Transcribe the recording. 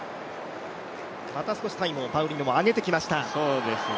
また少しタイムをパウリノは上げてきました。